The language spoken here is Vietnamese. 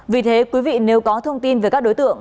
vì thế quý vị nếu có thông tin về các đối tượng